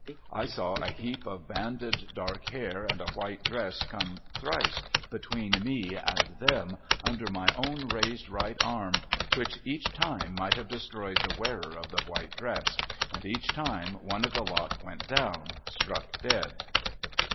I saw a heap of banded dark hair and a white dress come thrice between me and them, under my own raised right arm, which each time might have destroyed the wearer of the white dress ; and each time one of the lot went down, struck dead.